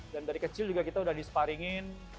dan dari kecil juga kita udah di sparingin